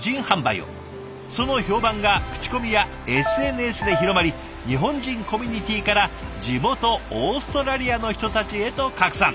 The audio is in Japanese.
その評判が口コミやＳＮＳで広まり日本人コミュニティーから地元オーストラリアの人たちへと拡散。